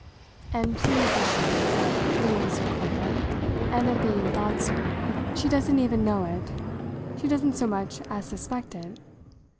And pleased as she is at being so clever, and at being thought so, she doesn't even know it. She doesn't so much as suspect it.